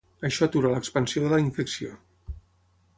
Això atura l'expansió de la infecció.